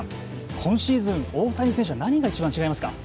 今シーズン、大谷選手は何がいちばん違いますか。